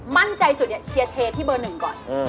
มั่นใจสุดเชียร์เททที่เบอร์๑ก่อน